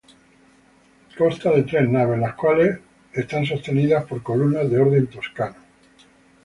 Consta de tres naves, las cuales son sostenidas por columnas de orden toscano.